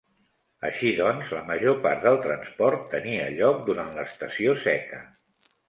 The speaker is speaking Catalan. Així doncs, la major part del transport tenia lloc durant l'estació seca.